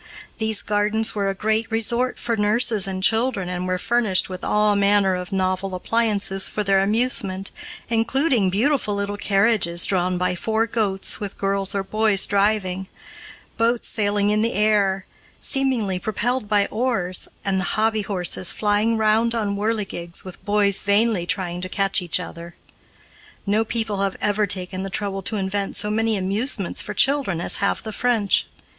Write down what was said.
These gardens were a great resort for nurses and children and were furnished with all manner of novel appliances for their amusement, including beautiful little carriages drawn by four goats with girls or boys driving, boats sailing in the air, seemingly propelled by oars, and hobby horses flying round on whirligigs with boys vainly trying to catch each other. No people have ever taken the trouble to invent so many amusements for children as have the French.